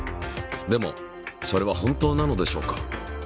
でもそれは本当なのでしょうか。